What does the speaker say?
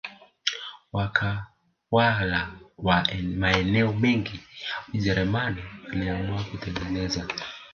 Watawala wa maeneo mengi ya Ujerumani waliamua kutengeneza